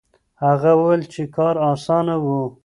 هغه وویل چې کار اسانه و.